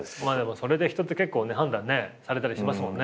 それで人って結構判断されたりしますもんね。